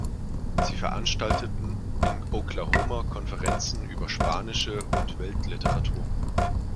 Sie veranstalteten in Oklahoma Konferenzen über spanische und Weltliteratur.